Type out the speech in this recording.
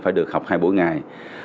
phải được học hai buổi ngày